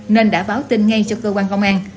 nên đã báo tin ngay cho cơ quan công an